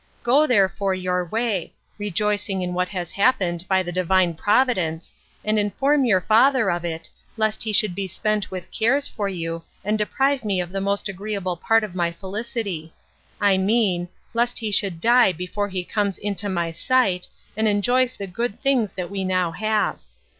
Go, therefore, your way, rejoicing in what has happened by the Divine Providence, and inform your father of it, lest he should be spent with cares for you, and deprive me of the most agreeable part of my felicity; I mean, lest he should die before he comes into my sight, and enjoys the good things that we now have.